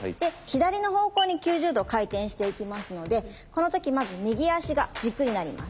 左の方向に９０度回転していきますのでこの時まず右足が軸になります。